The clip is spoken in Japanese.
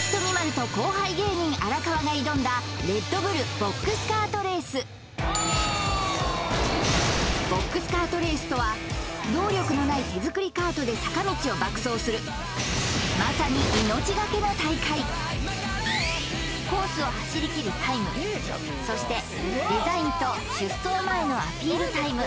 ○と後輩芸人荒川が挑んだＲｅｄＢｕｌｌＢｏｘＣａｒｔＲａｃｅボックスカートレースとは動力のない手作りカートで坂道を爆走するまさに命がけの大会コースを走り切るタイムそしてデザインと出走前のアピールタイム